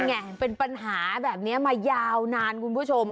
ไงเป็นปัญหาแบบนี้มายาวนานคุณผู้ชม